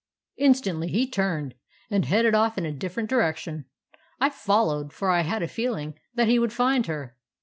"Instantly he turned, and headed off in a different direction. I followed, for I had a feeling that he would find her.